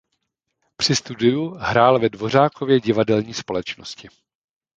Při studiu hrál ve Dvořákově divadelní společnosti.